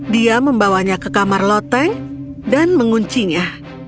dia membawanya ke kamar loteng dan menguncinya